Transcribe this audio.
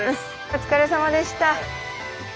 お疲れさまでした。